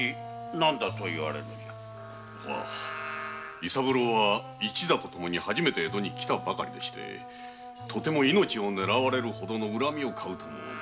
伊三郎は一座と共に初めて江戸に来たばかりでして命を狙われるほどの恨みをかうとは考えられませぬ。